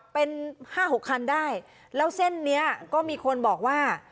เป็นห้าหกคันได้แล้วเส้นนี้ก็มีคนบอกว่า